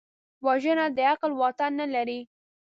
وژنه د عقل واټن نه لري